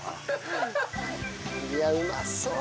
いやうまそう！